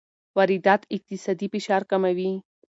واردات اقتصادي فشار کموي.